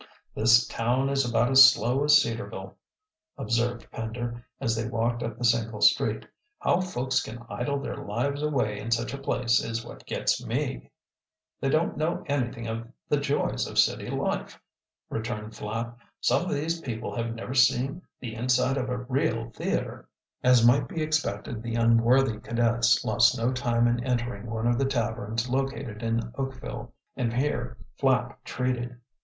"This town is about as slow as Cedarville," observed Pender, as they walked up the single street. "How folks can idle their lives away in such a place is what gets me." "They don't know anything of the joys of city life," returned Flapp. "Some of these people have never seen the inside of a real theater." As might be expected, the unworthy cadets lost no time in entering one of the taverns located in Oakville, and here Flapp treated.